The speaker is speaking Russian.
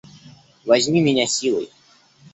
Возьми меня силой!